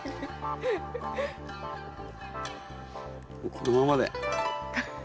このままで。